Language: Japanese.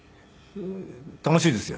楽しいですよ。